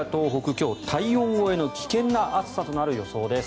今日、体温超えの危険な暑さとなる予想です。